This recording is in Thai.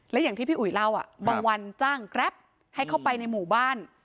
และอย่างที่พี่อุ๋ยเล่าบางวันจ้างแกรปให้เข้าไปในหมู่บ้าน